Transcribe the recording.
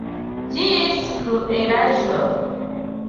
Ĝis kruelaĵoj.